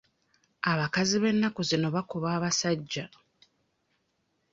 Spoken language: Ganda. Abakazi b'ennaku zino bakuba abasajja.